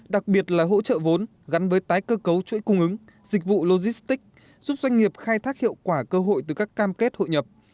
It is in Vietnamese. đặc biệt là hỗ trợ vốn gắn với tái cơ cấu chuỗi cung ứng dịch vụ logistics giúp doanh nghiệp khai thác hiệu quả cơ hội từ các cam kết hội nhập